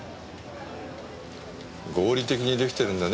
合理的に出来てるんだね